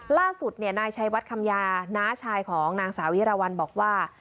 ล่าสุดนายชัยวัดคำยาน้าชายของนางสาวิราวัลบอกว่า